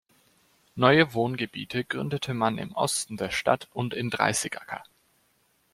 Neue Wohngebiete gründete man im Osten der Stadt und in Dreißigacker.